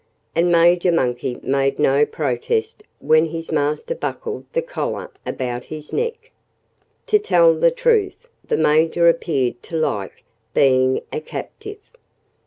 And Major Monkey made no protest when his master buckled the collar about his neck. To tell the truth, the Major appeared to like being a captive.